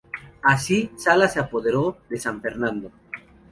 Así, Salas se apoderó de San Fernando.